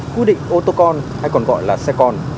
quy định ô tô con hay còn gọi là xe con